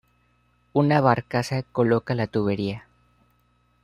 Una barcaza coloca la tubería.